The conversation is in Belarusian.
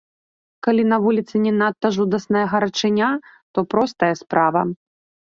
Калі на вуліцы не надта жудасная гарачыня, то простая справа.